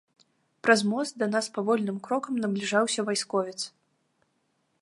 Праз мост да нас павольным крокам набліжаўся вайсковец.